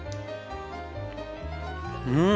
うん！